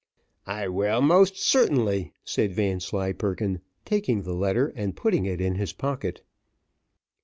"I will, most certainly," said Vanslyperken, taking the letter and putting it in his pocket.